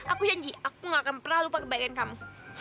aku janji aku gak akan pernah lupa kebahagiaan kamu